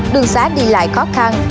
đường xá đi lại khó khăn